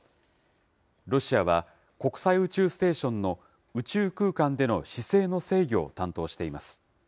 ロシアは、国際宇宙ステーションの宇宙空間での姿勢の制御を担当しています。